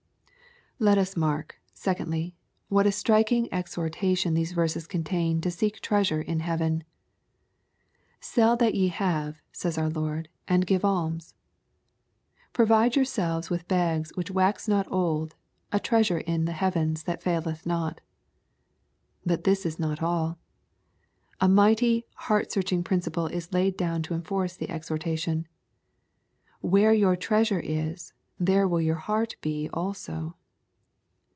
Let us mark, secondly, what a striking exhortation these verses contain to seek treasure in heaven, " Sell that ye have,'' said our Lord, " and give alms." " Pro vide yourselves bags which wax not old, a treasure in the heavens which faileth not." But this is not alL A mighty, heart searching principle is laid down to enforce the exhortation. " Where your treasure is, there will your heart be also."